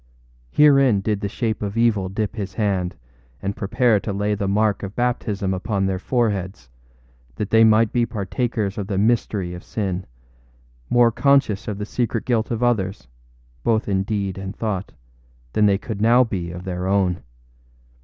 Herein did the shape of evil dip his hand and prepare to lay the mark of baptism upon their foreheads, that they might be partakers of the mystery of sin, more conscious of the secret guilt of others, both in deed and thought, than they could now be of their own.